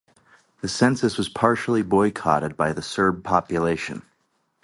The census was partially boycotted by the Serb population.